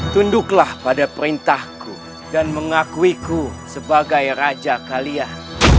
tunduklah pada perintahku dan mengakuiku sebagai raja kalian